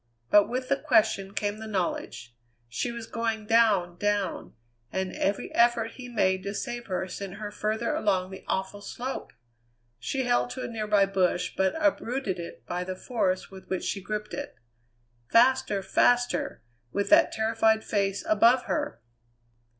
But with the question came the knowledge. She was going down, down, and every effort he made to save her sent her farther along the awful slope! She held to a nearby bush but uprooted it by the force with which she gripped it. Faster, faster, with that terrified face above her!